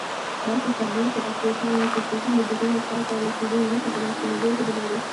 داسې ښکارېدل چې اتریشیان د جګړې له پایته رسیدو وروسته راستنېدو هوډ لري.